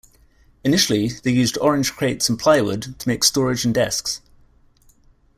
Initially, they used orange crates and plywood to make storage and desks.